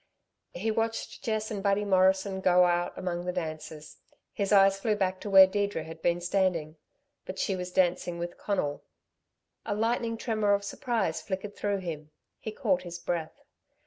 He watched Jess and Buddy Morrison go out among the dancers. His eyes flew back to where Deirdre had been standing. But she was dancing with Conal. A lightning tremor of surprise flickered through him; he caught his breath.